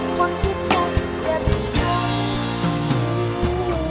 คนที่ทุกข์จะไม่ชน